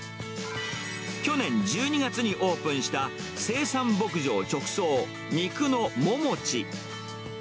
去年１２月にオープンした生産牧場直送、肉のモモチ。